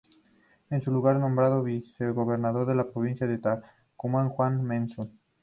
En su lugar fue nombrado el vicegobernador de la provincia de Tucumán, Juan Manzur.